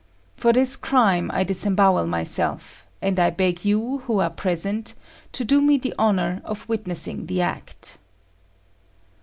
For this crime I disembowel myself, and I beg you who are present to do me the honour of witnessing the act."